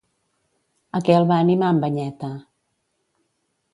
A què el va animar en Banyeta?